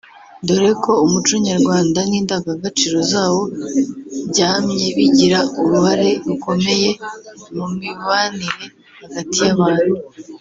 dore ko umuco nyarwanda n’indangagaciro zawo byamye bigira uruhare rukomeye mu mibanire hagati y’abantu